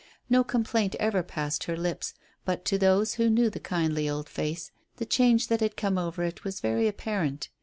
No complaint ever passed her lips, but, to those who knew the kindly old face, the change that had come over it was very apparent.